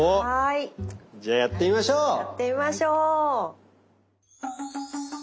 はいやってみましょう。